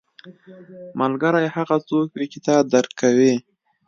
ملګری هغه څوک وي چې تا درک کوي